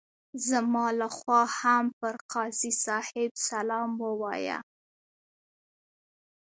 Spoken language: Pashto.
زما لخوا هم پر قاضي صاحب سلام ووایه.